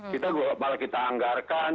kita malah kita anggarkan